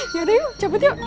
yaudah yuk cabut yuk